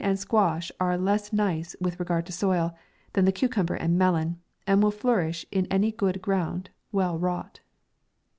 and squash are less niee with regard to soil, than the cucumber and melon, and will flou rish in any good ground , well wrought.